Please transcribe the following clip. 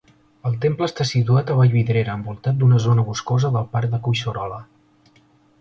El temple està situat a Vallvidrera envoltat d'una zona boscosa del parc de Collserola.